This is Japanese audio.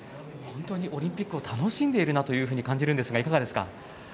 本当にオリンピックを楽しんでいるなというふうに感じるんですがいかがですか？